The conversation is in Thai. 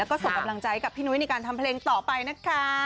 กลางเส้นอยู่เนี่ยพี่ตั๊กตรีบูน